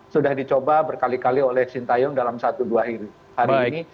sudah dicoba berkali kali oleh sintayong dalam satu dua hari ini